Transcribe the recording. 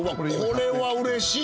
これはうれしい。